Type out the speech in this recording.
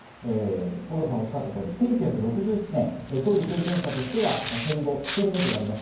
五郎さんがおっしゃった通り、１９６７年、総理経験者としては戦後１人目となります